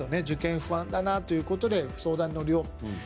「受験不安だな」ということで「相談にのるよ！」